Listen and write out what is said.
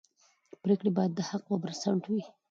پرېکړې باید د حق پر بنسټ وي